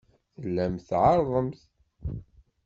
Tellamt tɛerrḍemt.